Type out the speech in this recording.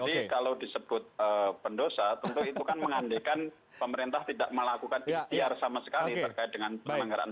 jadi kalau disebut pendosa tentu itu kan mengandikan pemerintah tidak melakukan istiar sama sekali terkait dengan penelenggaraan